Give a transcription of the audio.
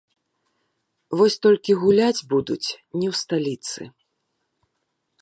Вось толькі гуляць будуць не ў сталіцы.